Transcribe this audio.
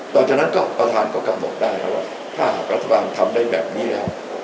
หลังจากนั้นก็ประธานก็กำหนดได้แล้วว่าถ้าหากรัฐบาลทำได้แบบนี้แล้ว